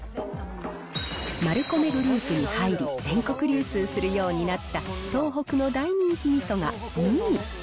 マルコメグループに入り、全国流通するようになった東北の大人気みそが２位。